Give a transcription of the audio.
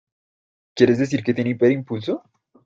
¿ Quieres decir que tiene hiperimpulso?